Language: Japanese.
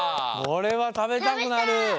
これはたべたくなる。